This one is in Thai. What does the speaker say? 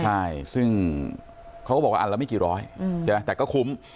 ใช่ซึ่งเขาก็บอกว่าอันละไม่กี่ร้อยใช่ไหมแต่ก็คุ้ม